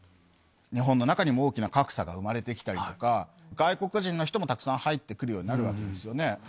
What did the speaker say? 日本の中にも大きな格差が生まれて来たりとか外国人の人もたくさん入って来るようになるわけですよね？